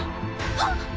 あっ！